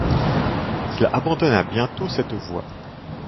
Il abandonna bientôt cette voie.